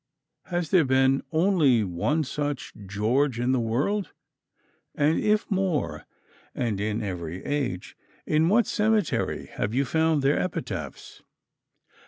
Has there been only one such George in the world? And if more, and in every age, in what cemetery have you found their epitaphs?